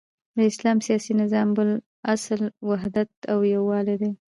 د اسلام سیاسی نظام بل اصل وحدت او یوالی دی،